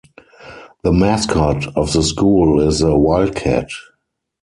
The mascot of the school is the Wildcat.